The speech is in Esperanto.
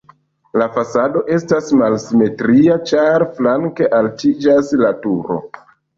La fasado estas malsimetria, ĉar flanke altiĝas la turo.